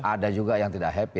ada juga yang tidak happy